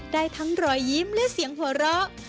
ได้ทั้งรอยยิ้มและเสียงหัวเราะ